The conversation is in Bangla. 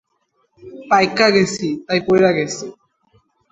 পাইক্কা গেসি, তাই পইরা গেসি।